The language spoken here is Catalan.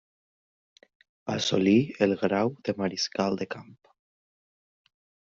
Assolí el grau de mariscal de camp.